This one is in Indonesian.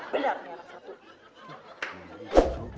benar nih anak satu